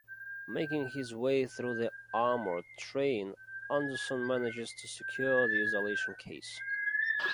Making his way through the armoured train, Anderson manages to secure the isolation case.